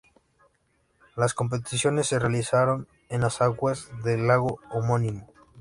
Las competiciones se realizaron en las aguas del lago homónimo.